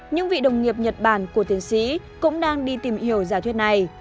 những vị đồng nghiệp nhật bản của tiến sĩ cũng đang đi tìm hiểu giả thuyết này